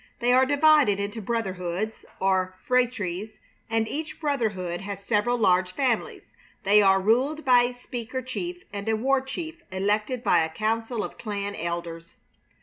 They are divided into brotherhoods, or phratries, and each brotherhood has several large families. They are ruled by a speaker chief and a war chief elected by a council of clan elders.